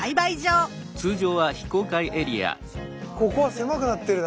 ここは狭くなってるな。